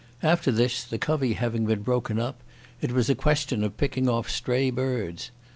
After that, the covey having been broken up, it was a question of picking off stray birds.